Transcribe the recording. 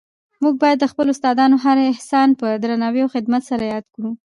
موږ باید د خپلو استادانو هر احسان په درناوي او خدمت سره یاد کړو.